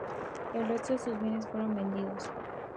El resto de sus bienes fueron vendidos.